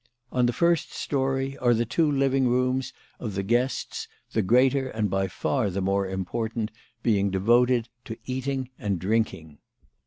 On the first story are the two living rooms of the guests, the greater and by far the more impor tant being devoted to eating and drinking.